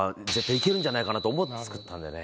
んじゃないかなと思って作ったんでね。